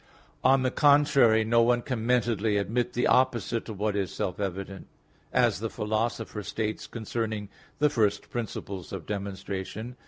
On the contrary, No one can mentally admit the opposite of what is self evident; as the Philosopher (Metaph. iv, lect. vi) states concerning the first principles of demonstration.